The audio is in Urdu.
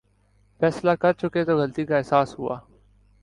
فیصلہ کرچکے تو غلطی کا احساس ہوا۔